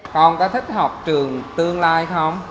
con có thích học trường tương lai không